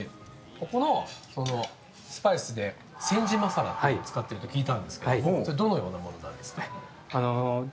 ここのスパイスで煎じマサラというのを使っていると聞いたんですけどどのようなものなんですか？